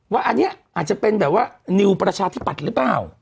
ว่าอันนี้อาจจะเป็นนิวประชาธิบัติหรือเปล่า